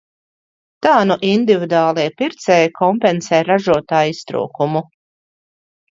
Tā nu individuālie pircēji kompensē ražotāju iztrūkumu.